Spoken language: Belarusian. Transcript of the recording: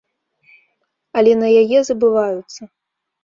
Але на яе забываюцца.